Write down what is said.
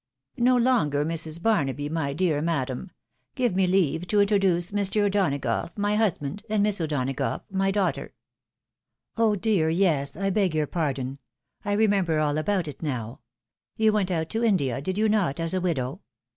"No longer Mrs. Barnaby, my dear madam." Give me luave to introduce Mr. O'Donagough, my husband, and Misa O'Donagough, my daughter." " Oh dear yes ; I beg your pardon. I remember all about it now. You went out to India, did you not, as a widow